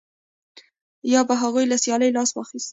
یا به هغوی له سیالۍ لاس اخیست